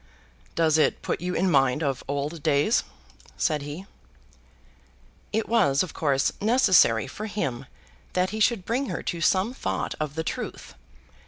"Does it put you in mind of old days?" said he. It was, of course, necessary for him that he should bring her to some thought of the truth.